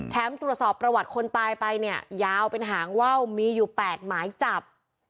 ตรวจสอบประวัติคนตายไปเนี่ยยาวเป็นหางว่าวมีอยู่๘หมายจับ